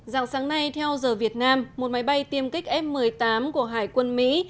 dạng sáng nay theo giờ việt nam một máy bay tiêm kích f một mươi tám của hải quân mỹ